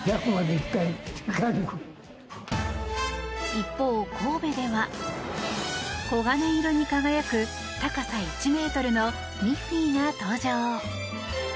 一方、神戸では黄金色に輝く高さ１ｍのミッフィーが登場。